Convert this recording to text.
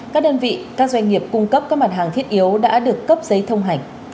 các đơn vị các doanh nghiệp cung cấp các mặt hàng thiết yếu đã được cấp giấy thông hành